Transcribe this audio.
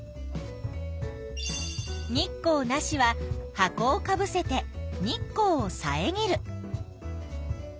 「日光なし」は箱をかぶせて日光をさえぎる。